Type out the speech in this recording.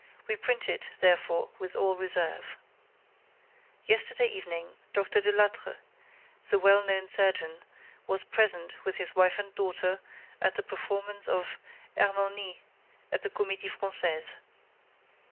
We print it, therefore, with all reserve. Yesterday evening, Dr. Delattre, the well known surgeon, was present, with his wife and daughter, at the performance of Hernani at the Comédie Française.